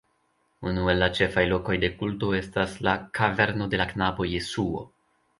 Unu el la ĉefaj lokoj de kulto estas la "kaverno de la knabo Jesuo".